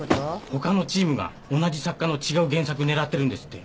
他のチームが同じ作家の違う原作狙ってるんですって。